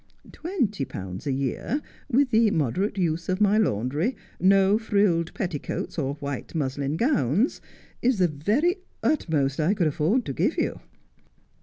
Twenty pounds a year, with the moderate use of my laundry, no frilled petticoats or white muslin gowns, is the very utmost I could afford to give you.'